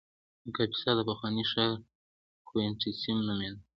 د کاپیسا د پخواني ښار کوینټیسیم نومېده